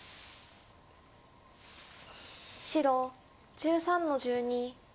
白１３の十二トビ。